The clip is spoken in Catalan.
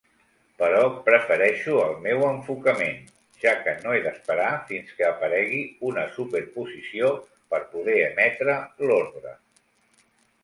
Però prefereixo el meu enfocament, ja que no he d'esperar fins que aparegui una superposició per poder emetre l'ordre.